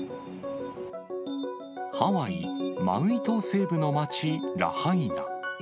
ハワイ・マウイ島西部の街ラハイナ。